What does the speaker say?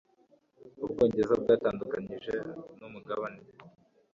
Ubwongereza bwatandukanijwe nu Mugabane